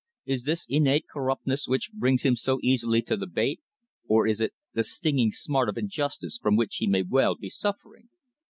Is this innate corruptness which brings him so easily to the bait, or is it the stinging smart of injustice from which he may well be suffering?